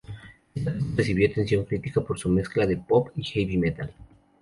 Esta pista recibió atención crítica por su mezcla de pop y heavy metal.